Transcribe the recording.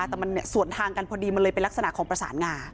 แต่มันสวนทางกันพอดีมันเลยเป็นลักษณะของประสานงา